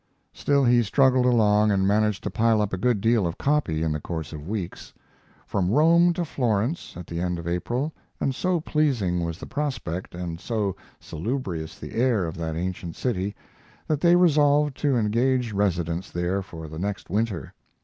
Still he struggled along and managed to pile up a good deal of copy in the course of weeks. From Rome to Florence, at the end of April, and so pleasing was the prospect, and so salubrious the air of that ancient city, that they resolved to engage residence there for the next winter.